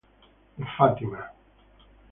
De Fátima, Ntra.